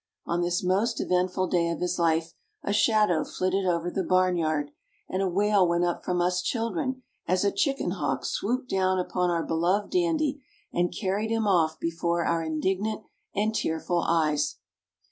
On this most eventful day of his life, a shadow flitted over the barnyard, and a wail went up from us children as a chicken hawk swooped down upon our beloved Dandy and carried him off before our indignant and tearful eyes.